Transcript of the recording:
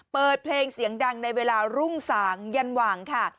เปิดเพลงเสียงดังในเวลารุ่งสางยันหว่างค่ะ